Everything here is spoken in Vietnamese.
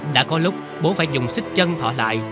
đã có lúc bố phải dùng xích chân thọ lại